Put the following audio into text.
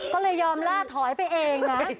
ก็เลยยอมลาดถอยไปเองนะ